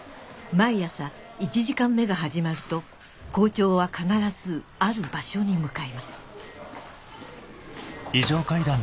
毎朝１時間目が始まると校長は必ずある場所に向かいます